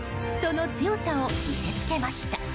その強さを見せつけました。